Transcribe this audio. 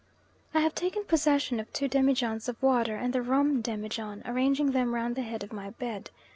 I have taken possession of two demijohns of water and the rum demijohn, arranging them round the head of my bed.